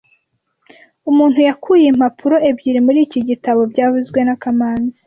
Umuntu yakuye impapuro ebyiri muri iki gitabo byavuzwe na kamanzi